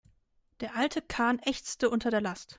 Der alte Kahn ächzte unter der Last.